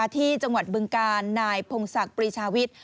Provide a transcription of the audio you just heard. ที่จังหวัดบึงกาลนายพงศักดิ์ปรีชาวิทย์